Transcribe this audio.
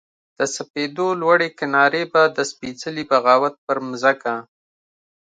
د سپېدو لوړې کنارې به د سپیڅلې بغاوت پر مځکه